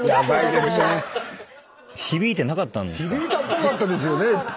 響いたっぽかったですよね。